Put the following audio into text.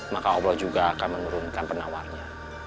maka allah juga akan menurunkan penawarnya